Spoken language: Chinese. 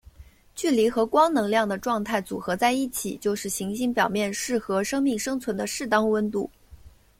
距离和光能量的状态组合在一起就是行星表面适合生命生存的适当温度。